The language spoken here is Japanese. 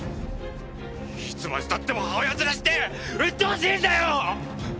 いつまで経っても母親面してうっとうしいんだよ！